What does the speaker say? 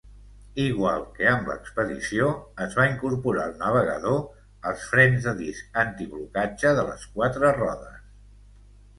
Igual que amb l'expedició, es va incorporar el navegador als frens de disc antiblocatge de les quatre rodes.